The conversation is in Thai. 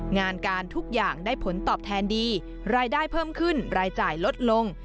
งานการทุกอย่างได้ผลตอบแทนดีรายได้เพิ่มขึ้นรายจ่ายลดลง